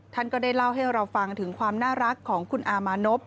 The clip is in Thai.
ท่านก็ได้เล่าให้เราฟังถึงความน่ารักของคุณอามานพ